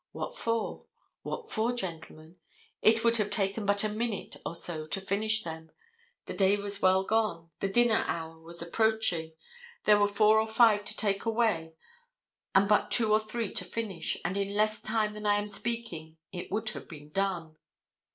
What for? What for, gentlemen? It would have taken but a minute or so to finish them. The day was well gone, the dinner hour was approaching. There were four or five to take away and but two or three to finish, and in less time than I am speaking it would have been done.